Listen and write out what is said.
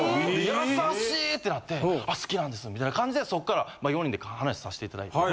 優しい！ってなって「あ好きなんです」みたいな感じでそっから４人で話さして頂いて。